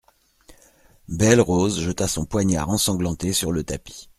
Belle-Rose jeta son poignard ensanglanté sur le tapis.